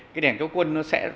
cái đèn cao quân nó sẽ